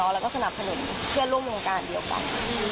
แล้วก็สนับสนุนเพื่อนร่วมวงการเดียวกัน